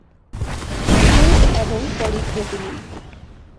Silk এবং polypropylene.